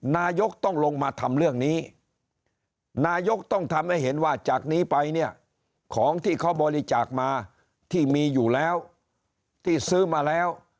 นายกต้องลงมาทำเรื่องนี้นายกต้องทำให้เห็นว่าจากนี้ไปเนี่ยของที่เขาบริจาคมาที่มีอยู่แล้วที่ซื้อมาแล้ว